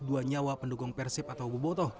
dua nyawa pendukung persib atau bobotoh